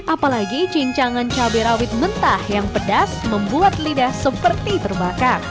apalagi cincangan cabai rawit mentah yang pedas membuat lidah seperti terbakar